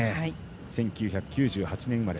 １９９８年生まれ。